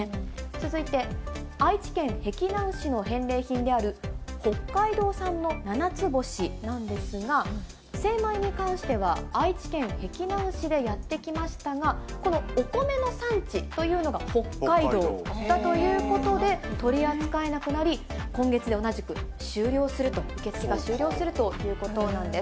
続いて、愛知県碧南市の返礼品である北海道産のななつぼしなんですが、精米に関しては愛知県碧南市でやってきましたが、このお米の産地というのが北海道だということで、取り扱えなくなり、今月で同じく終了すると、受け付けが終了するということなんです。